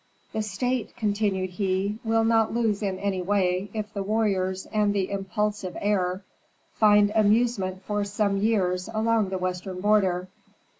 "The state," continued he, "will not lose in any way if the warriors and the impulsive heir find amusement for some years along the western border.